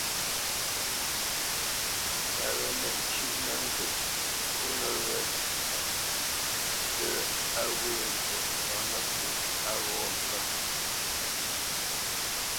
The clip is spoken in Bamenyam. Tǎ wě nə ncʉ́ʼnə́ nzə ntsónə̄ wé tə á ghwê ŋgwǒʼmbî tsɔ̌pnə́pǔʼ á ghɔ́ mvə̂ ghɔ̌.